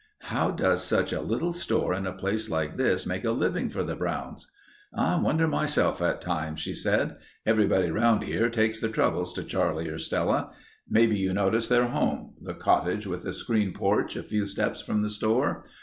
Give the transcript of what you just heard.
"How does such a little store in a place like this make a living for the Browns?" "I wonder myself, at times," she said. "Everybody around here takes their troubles to Charlie or Stella. Maybe you noticed their home—the cottage with the screen porch a few steps from the store.